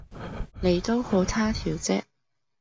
你都好他條即